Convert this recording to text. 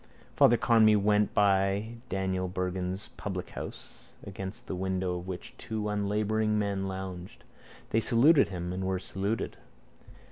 Father Conmee went by Daniel Bergin's publichouse against the window of which two unlabouring men lounged. They saluted him and were saluted.